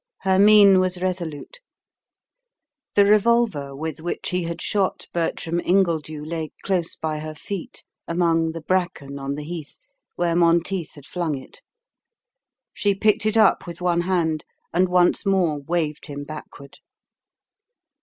Her mien was resolute. The revolver with which he had shot Bertram Ingledew lay close by her feet, among the bracken on the heath, where Monteith had flung it. She picked it up with one hand, and once more waved him backward.